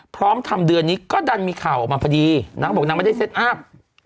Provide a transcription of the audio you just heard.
พร้อมทำเดือนนี้ก็ดันมีข่าวออกมาพอดีนางก็บอกนางไม่ได้เซ็ตอัพ